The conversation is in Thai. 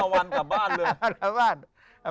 ๕วันกลับบ้านเลย